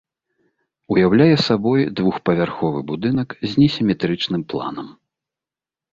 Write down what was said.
Уяўляе сабой двухпавярховы будынак, з несіметрычным планам.